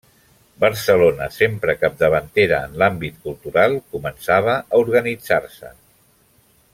Barcelona, sempre capdavantera en l'àmbit cultural, començava a organitzar-se.